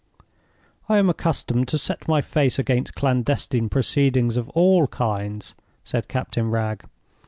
"I am accustomed to set my face against clandestine proceedings of all kinds," said Captain Wragge.